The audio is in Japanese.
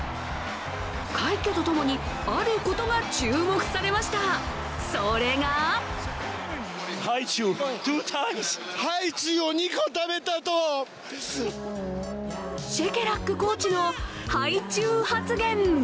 快挙とともにあることが注目されました、それがシェケラックコーチのハイチュウ発言。